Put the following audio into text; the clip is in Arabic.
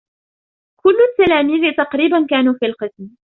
كل التلاميذ تقريبا كانوا في القسم.